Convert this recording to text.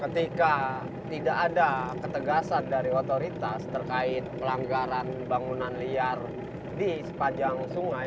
ketika tidak ada ketegasan dari otoritas terkait pelanggaran bangunan liar di sepanjang sungai